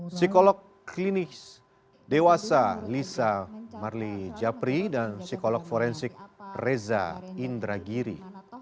psikolog klinis dewasa lisa marli japri dan psikolog forensik reza indragiri